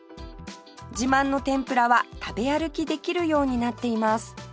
自慢の天ぷらは食べ歩きできるようになっています